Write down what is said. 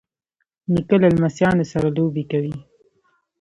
نیکه له لمسیانو سره لوبې کوي.